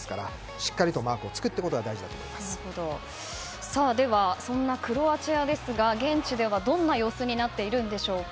しっかりとマークにつくことがそんなクロアチアですが現地ではどんな様子になっているんでしょうか。